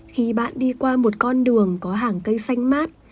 khi bạn đi qua một con đường có hàng cây xanh mát